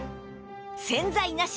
洗剤なし！